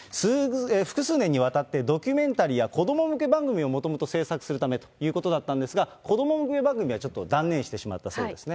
複数年にわたって、ドキュメンタリーや子ども向け番組をもともと制作するためということだったんですが、子ども向け番組はちょっと断念してしまったそうですね。